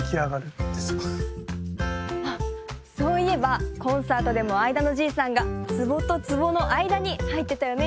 あっそういえばコンサートでもあいだのじいさんが壺と壺のあいだにはいってたよね。